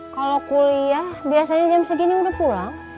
kalau kuliah biasanya jam segini udah pulang